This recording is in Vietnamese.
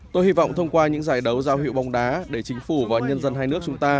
tôi hy vọng thông qua những giải đấu giao hiệu bóng đá để chính phủ và nhân dân hai nước chúng ta